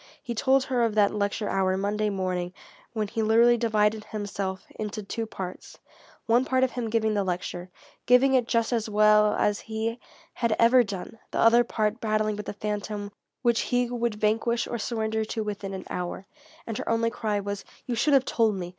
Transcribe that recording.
He told her of that lecture hour Monday morning when he literally divided himself into two parts, one part of him giving the lecture, giving it just as well as he had ever done, the other part battling with the phantom which he would vanquish or surrender to within an hour. And her only cry was: "You should have told me!